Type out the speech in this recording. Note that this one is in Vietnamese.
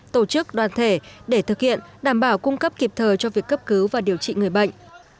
tổ chức đoàn thể để thực hiện đảm bảo cung cấp kịp thời cho việc cấp cứu và điều trị người bệnh